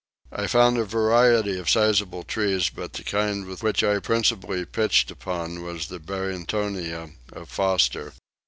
I found a variety of sizable trees but the kind which I principally pitched upon was the Barringtonia of Forster.